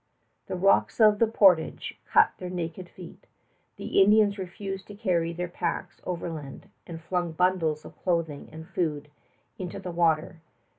The rocks of the portage cut their naked feet. The Indians refused to carry their packs overland and flung bundles of clothing and food into the water.